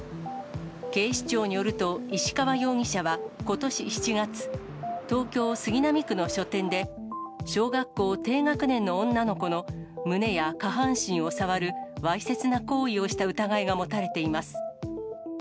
警視庁によると、石川容疑者はことし７月、東京・杉並区の書店で、小学校低学年の女の子の胸や下半身を触るわいせつな行為をした疑いが持たれています。